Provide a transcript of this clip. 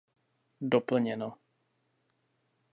Doplněno.